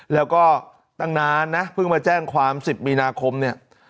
แล้วก็ตั้งนานนะเพิ่งมาแจ้งความ๑๐มีนาคมเนี่ย